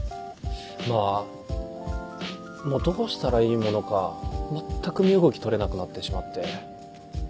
まぁもうどうしたらいいものか全く身動き取れなくなってしまって。